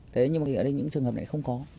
thế nhưng mà ở đây những trường hợp này không có